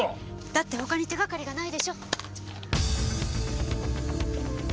だって他に手がかりがないでしょ？